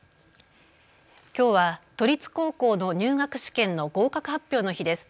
きょうは都立高校の入学試験の合格発表の日です。